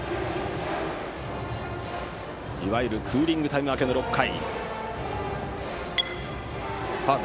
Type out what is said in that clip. いわゆるクーリングタイム明けの６回。